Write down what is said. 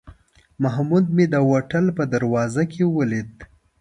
محمود مې د هوټل په دروازه کې ولید.